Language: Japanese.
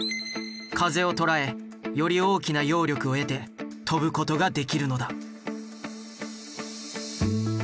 風をとらえより大きな揚力を得て飛ぶことができるのだ。